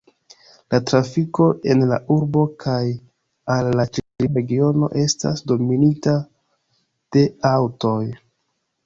La trafiko en la urbo kaj al la ĉirkaŭa regiono estas dominita de aŭtoj.